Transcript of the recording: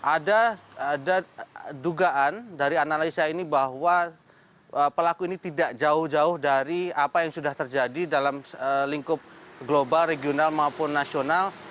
ada dugaan dari analisa ini bahwa pelaku ini tidak jauh jauh dari apa yang sudah terjadi dalam lingkup global regional maupun nasional